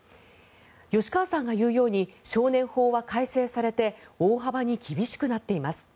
吉川さんが言うように少年法は改正されて大幅に厳しくなっています。